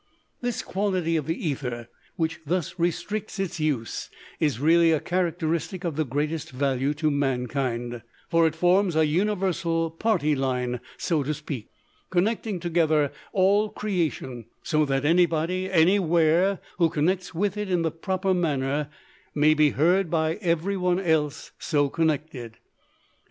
This quality of the ether which thus restricts its use is really a characteristic of the greatest value to mankind, for it forms a universal party line, so to speak, connecting together all creation, so that anybody anywhere, who connects with it in the proper manner, may be heard by every one else so connected.